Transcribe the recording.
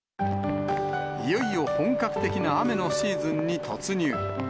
いよいよ本格的な雨のシーズンに突入。